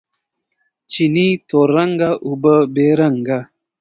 چینې تور رنګه، اوبه بې رنګه